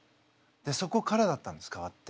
そこからだったんです変わって。